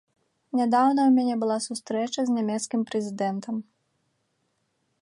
Нядаўна ў мяне была сустрэча з нямецкім прэзідэнтам.